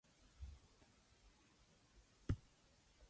The present name is derived from Green Camp Township.